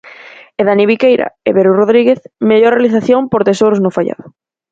E Dani Viqueira e Veru Rodríguez, mellor realización por Tesouros no faiado.